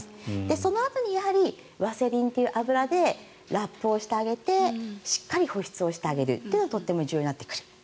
そのあとにワセリンという油でラップをしてあげてしっかり保湿をしてあげるのがとても重要になってくる。